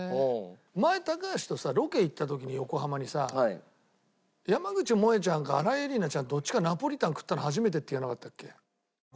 前高橋とさロケ行った時に横浜にさ山口もえちゃんか新井恵理那ちゃんどっちかナポリタン食ったの初めてって言わなかったっけ？